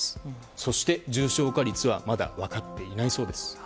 そして重症化率はまだ分かっていないそうです。